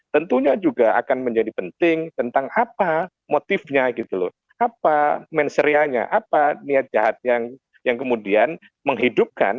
tentunya juga akan menjadi penting tentang apa motifnya gitu loh apa menserianya apa niat jahat yang kemudian menghidupkan